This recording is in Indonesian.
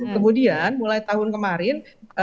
kemudian mulai tahun kemarin